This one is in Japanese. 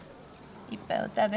いっぱいお食べ。